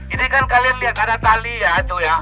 ini kan kalian lihat ada tali ya itu ya